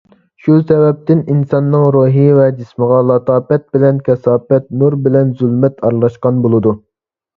شۇ سەۋەبتىن ئىنساننىڭ روھى ۋە جىسمىغا لاتاپەت بىلەن كاساپەت، نۇر بىلەن زۇلمەت ئارىلاشقان بولىدۇ.